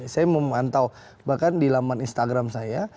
saya memantau bahkan di laman instagram saya